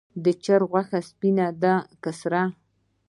د چرګ غوښه سپینه ده که سره؟